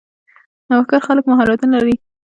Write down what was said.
نوښتګر خلک مهارتونه لري.